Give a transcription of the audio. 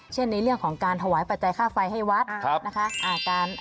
ในเรื่องของการถวายปัจจัยค่าไฟให้วัดนะคะ